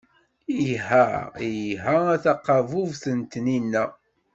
Iha, iha a taqabubt n tnina.